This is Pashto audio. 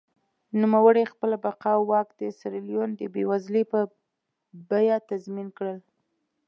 نوموړي خپله بقا او واک د سیریلیون د بېوزلۍ په بیه تضمین کړل.